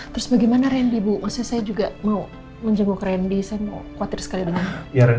terus bagaimana rendy bu maksudnya saya juga mau menjenguk rendy saya mau kuatir sekali dengan kabarnya